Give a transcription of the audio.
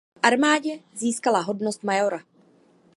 V armádě získala hodnost majora.